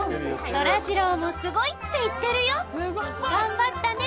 そらジローもすごい！って言ってるよ頑張ったね